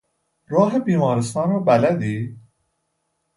راه بیمارستان را بلدی؟